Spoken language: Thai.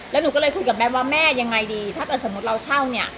แล้วหนูก็เลยคุยกับแม่ว่าแม่ยังไงดีถ้าเกิดสมมุติเราเช่าเนี่ย